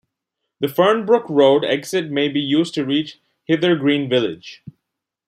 The Fernbrook Road exit may be used to reach Hither Green village.